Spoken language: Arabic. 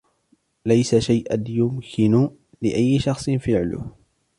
ليس شيئًا يمكن لأيّ شخص فعله.